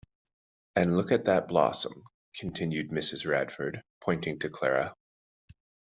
“And look at that blossom!” continued Mrs. Radford, pointing to Clara.